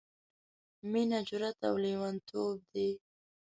— مينه جرات او لېوانتوب دی...